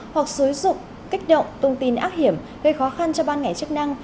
hoặc xối dụng kích động tung tin ác hiểm gây khó khăn cho ban ngày chức năng